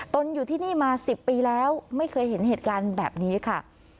นอยู่ที่นี่มา๑๐ปีแล้วไม่เคยเห็นเหตุการณ์แบบนี้ค่ะ